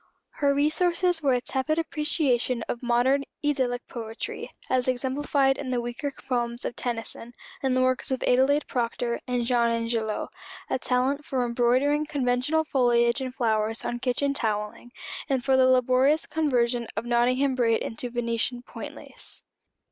Her resources were a tepid appreciation of modern idyllic poetry, as exemplified in the weaker poems of Tennyson, and the works of Adelaide Proctor and Jean Ingelow, a talent for embroidering conventional foliage and flowers on kitchen towelling, and for the laborious conversion of Nottingham braid into Venetian point lace.